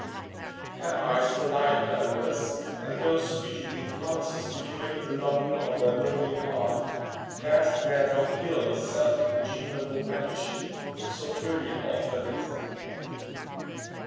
Her eyes belied her words, and those fugitive glances betrayed the longing of a lonely heart that dared not yield itself to the genial companionship so freely offered it.